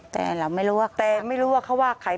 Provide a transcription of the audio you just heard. แต่เราไม่รู้ว่าแต่ไม่รู้ว่าเขาว่าใคร